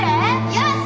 よし！